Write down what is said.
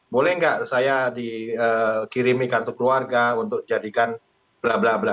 boleh nggak saya dikirimi kartu keluarga untuk jadikan blablabla